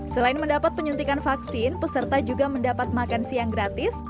selain mendapat penyuntikan vaksin peserta juga mendapat makan siang gratis